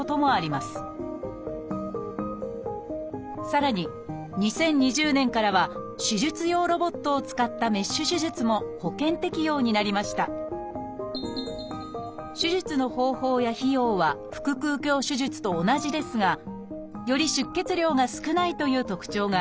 さらに２０２０年からは手術用ロボットを使ったメッシュ手術も保険適用になりました手術の方法や費用は腹くう鏡手術と同じですがより出血量が少ないという特徴があります。